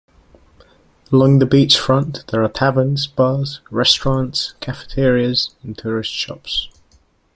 Along the beach front there are taverns, bars, restaurants, cafeterias and tourist shops.